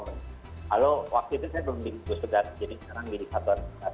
lalu waktu itu saya belum dikutuk segala jadi sekarang dikatakan